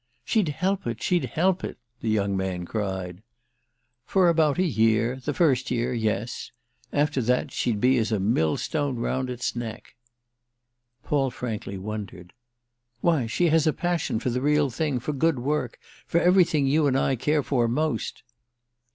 "She'd help it—she'd help it!" the young man cried. "For about a year—the first year, yes. After that she'd be as a millstone round its neck." Paul frankly wondered. "Why she has a passion for the real thing, for good work—for everything you and I care for most."